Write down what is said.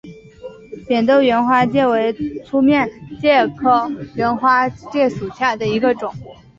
扁豆缘花介为粗面介科缘花介属下的一个种。